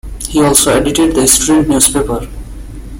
He also edited the student newspaper.